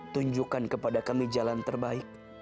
tunjukkan kepada kami jalan terbaik